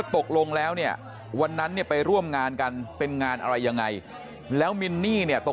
ว่าตกลงแล้ววันนั้นไปร่วมงานกันเป็นงานอะไรยังงั้ย